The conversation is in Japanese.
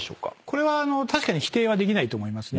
これは確かに否定はできないと思いますね。